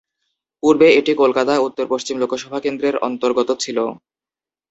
পূর্বে এটি কলকাতা উত্তর পশ্চিম লোকসভা কেন্দ্রের অন্তর্গত ছিল।